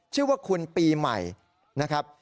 ชื่อว่าคุณปีใหม่นะครับ